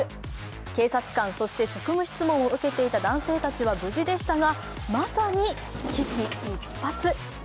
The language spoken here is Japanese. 警察官、そして職務質問を受けていた男性たちは無事でしたがまさに危機一髪。